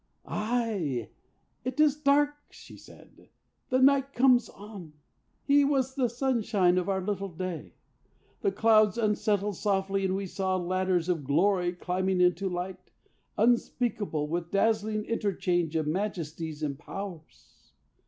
"Aye, it is dark," she said. "The night comes on. He was the sunshine of our little day. The clouds unsettled softly and we saw Ladders of glory climbing into light Unspeakable, with dazzling interchange Of Majesties and Powers.